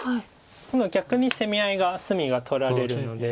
今度は逆に攻め合いが隅が取られるので。